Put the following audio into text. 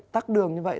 tắt đường như vậy